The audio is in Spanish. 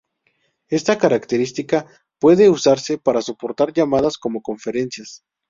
Esta característica puede usarse para soportar llamadas como conferencias.